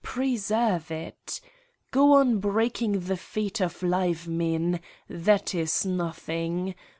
Preserve it! Go on breaking the feet of live men. That is nothing.